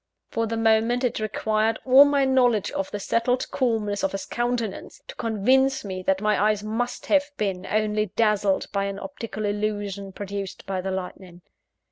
For the moment, it required all my knowledge of the settled calmness of his countenance, to convince me that my eyes must have been only dazzled by an optical illusion produced by the lightning.